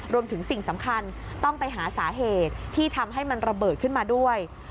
สิ่งสำคัญต้องไปหาสาเหตุที่ทำให้มันระเบิดขึ้นมาด้วย